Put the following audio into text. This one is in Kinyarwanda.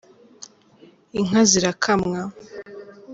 inka zirakamwa.